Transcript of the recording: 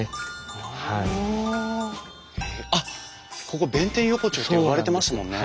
あっここ弁天横丁って呼ばれてますもんね。